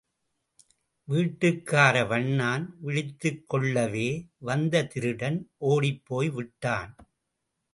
வீட்டுக்கார வண்ணான் விழித்துக் கொள்ளவே, வந்த திருடன் ஓடிப்போய் விட்டான்.